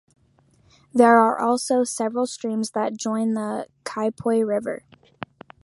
There are also several streams that join the Kaiapoi River.